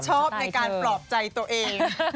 ชอบในการปลอบใจตัวเอง